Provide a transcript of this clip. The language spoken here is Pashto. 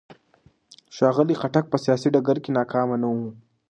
ښاغلي خټک په سیاسي ډګر کې ناکامه نه و.